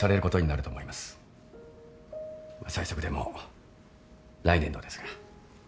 最速でも来年度ですが。